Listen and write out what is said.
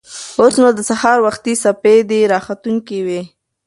اوس نو د سهار وختي سپېدې راختونکې وې.